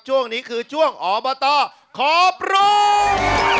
ช่วงนี้คือช่วงออเบอร์ตอขอบรุง